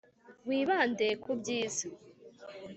wibande ku byiza.